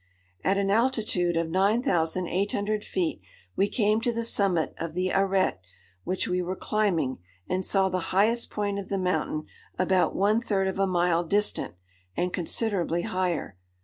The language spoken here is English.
At an altitude of 9800 feet we came to the summit of the arête which we were climbing, and saw the highest point of the mountain about one third of a mile distant, and considerably higher.